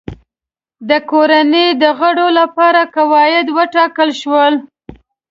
د کورنۍ د غړو لپاره قواعد وټاکل شول.